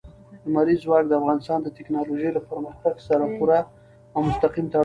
لمریز ځواک د افغانستان د تکنالوژۍ له پرمختګ سره پوره او مستقیم تړاو لري.